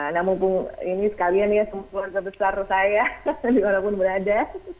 namun ini sekalian ya sempurna besar saya dimana pun berada